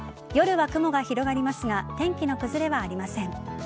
夜は雲が広がりますが天気の崩れはありません。